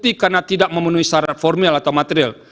tapi karena tidak memenuhi syarat formil atau material